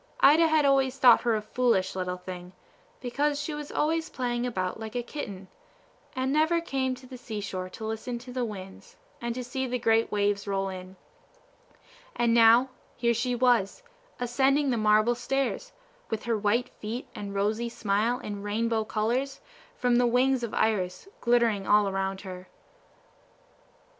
Ida had always thought her a foolish little thing, because she was always playing about like a kitten, and never came to the sea shore to listen to the winds, and see the great waves roll in; and now here she was, ascending the marble stairs, with her white feet, and rosy smile, and rainbow colors, from the wings of Iris, glittering all around her.